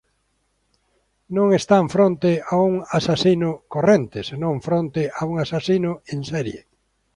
Non están fronte a un asasino corrente senón fronte a un asasino en serie.